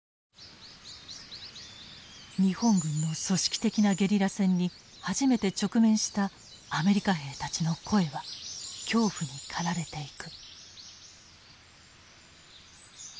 日本軍の組織的なゲリラ戦に初めて直面したアメリカ兵たちの声は恐怖に駆られていく。